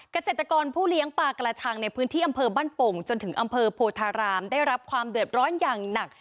เกษตรกรผู้เลี้ยงปลากระชังในพื้นที่อำเภอบ้านโป่งจนถึงอำเภอโพธารามได้รับความเดือดร้อนอย่างหนัก